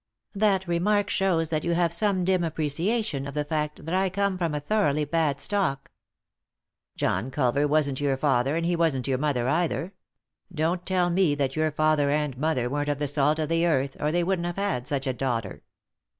" That remark shows that you have some dim appre ciation of the fact that I come of a thoroughly bad stock." "John Culver wasn't your father, and be wasn't your mother either. Don't tell me that your father and mother weren't of the salt of the earth, or they wouldn't have had such a daughter."